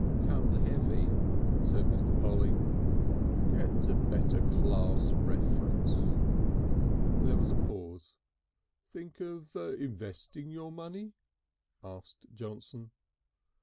"Come the Heavy," said Mr. Polly. "Get a better class reference." There was a pause. "Think of investing your money?" asked Johnson.